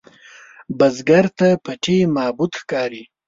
بزګر ته پټي معبد ښکاري